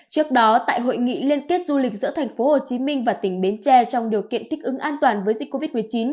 trước đó tại hội nghị liên kết du lịch giữa thành phố hồ chí minh và tỉnh bến tre trong điều kiện thích ứng an toàn với dịch covid một mươi chín